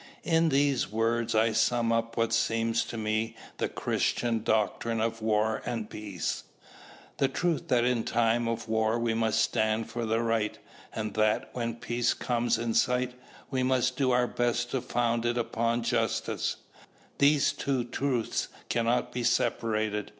In these words I sum up what seems to me the Christian doctrine of war and peace, the truth that in time of war we must stand for the right, and that when peace comes in sight, we must do our best to found it upon justice. These two truths cannot be separated.